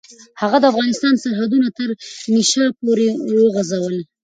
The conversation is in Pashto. هغه د افغانستان سرحدونه تر نیشاپوره وغځول.